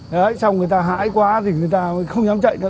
đấy xong người ta hãi quá thì người ta không dám chạy nữa